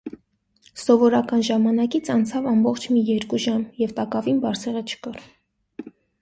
Սովորական ժամանակից անցավ ամբողջ մի երկու ժամ, և տակավին Բարսեղը չկար: